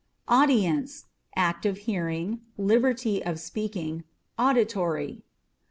Audience: â€" act of hearing, liberty of speaking, auditory.